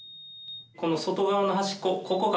この外側の端っこ